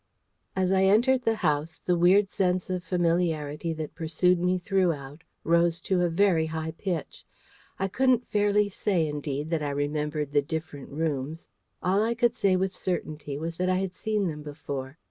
As I entered the house the weird sense of familiarity that pursued me throughout rose to a very high pitch. I couldn't fairly say, indeed, that I remembered the different rooms. All I could say with certainty was that I had seen them before.